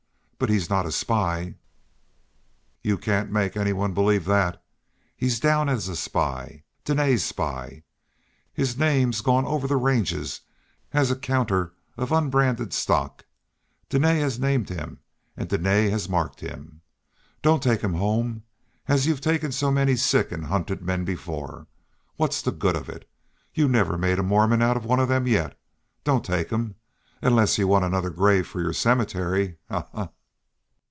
But he's not a spy." "You can't make any one believe that. He's down as a spy. Dene's spy! His name's gone over the ranges as a counter of unbranded stock. Dene has named him and Dene has marked him. Don't take him home, as you've taken so many sick and hunted men before. What's the good of it? You never made a Mormon of one of them yet. Don't take him unless you want another grave for your cemetery.